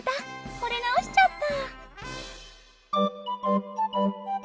ほれ直しちゃった。